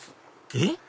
えっ？